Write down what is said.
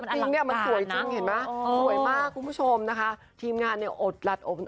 จริงเนี่ยมันสวยจริงเห็นไหมสวยมากคุณผู้ชมนะคะทีมงานเนี่ยอดหลัดอบ